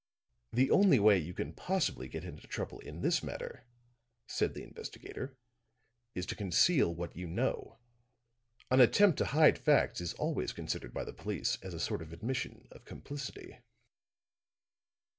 "The only way you can possibly get into trouble in this matter," said the investigator, "is to conceal what you know. An attempt to hide facts is always considered by the police as a sort of admission of complicity."